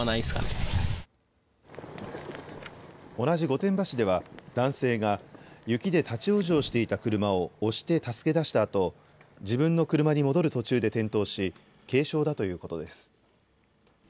同じ御殿場市では男性が雪で立往生していた車を押して助け出したあと、自分の車に戻る途中で転倒し軽傷だということです。